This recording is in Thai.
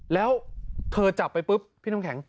แล้วเธอจับไปปุ๊บพี่น้ำแข็ง